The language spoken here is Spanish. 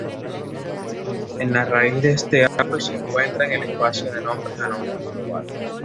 En la raíz de este árbol se encuentra el espacio de nombres anónimo global.